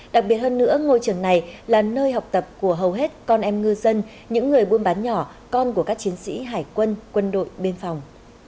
đặc biệt hơn nữa ngôi trường này là nơi học tập của hầu hết con em ngư dân những người buôn bán nhỏ con của các chiến sĩ hải quân quân đội biên phòng